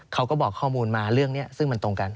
เขาก็บอกข้อมูลมาเรื่องนี้ซึ่งมันตรงกัน